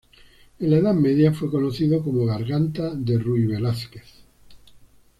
En la Edad Media fue conocido como "Garganta de Ruy Velásquez".